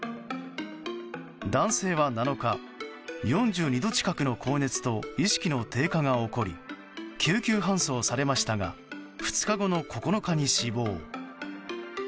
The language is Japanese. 男性は７日、４２度近くの高熱と意識の低下が起こり救急搬送されましたが２日後の９日に死亡。